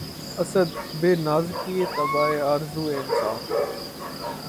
اسد! بہ نازکیِ طبعِ آرزو انصاف